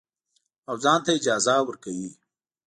او ځان ته اجازه ورکوي.